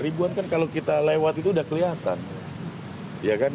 ribuan kan kalau kita lewat itu udah kelihatan